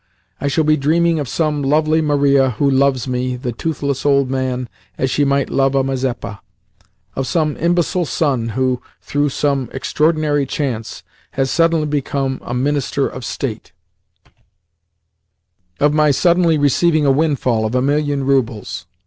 I shall be dreaming of some lovely Maria who loves me, the toothless old man, as she might love a Mazeppa; of some imbecile son who, through some extraordinary chance, has suddenly become a minister of state; of my suddenly receiving a windfall of a million of roubles.